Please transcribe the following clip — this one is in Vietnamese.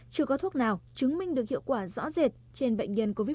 chưa có thuốc nào chứng minh được hiệu quả rõ rệt trên bệnh nhân covid một mươi chín